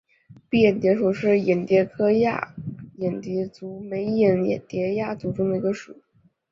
蔽眼蝶属是眼蝶亚科眼蝶族眉眼蝶亚族中的一个属。